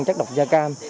chất độc da cam